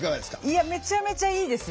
いやめちゃめちゃいいですよ。